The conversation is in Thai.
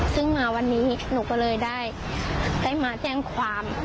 ซึ่งมาวันนี้หนูก็เลยได้มาแจ้งความ